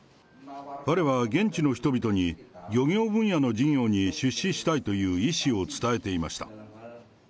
彼は現地の人々に、漁業分野の事業に出資したいという意思を伝えていました。